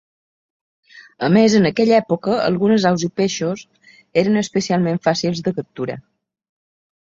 A més, en aquella època, algunes aus i peixos eren especialment fàcils de capturar.